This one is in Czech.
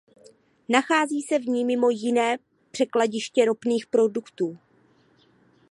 Nachází se v ní mimo jiné překladiště ropných produktů.